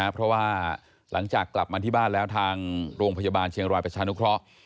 เพราะว่าหลังจากกลับมาที่บ้านแล้วทางโรงพยาบาลเชียงรายประชานุเคราะห์